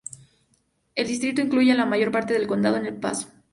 El distrito incluye la mayor parte del condado de El Paso.